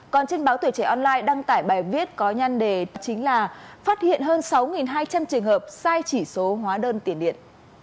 còn trên báo tuổi trẻ online đăng tải bài viết có nhăn đề chính là phát hiện hơn sáu hai trăm linh trường hợp sai chỉ số hóa đơn tiền điện